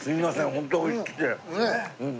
ホント美味しくて。